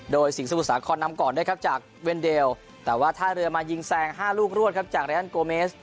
โดยสิงห์สมุทรสาครนำก่อนด้วยครับจากเวนเดลแต่ว่าท่าเรือมายิงแซง๕ลูกรวดครับจากเรอันโกเมส